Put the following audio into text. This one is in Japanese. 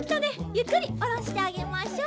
ゆっくりおろしてあげましょう。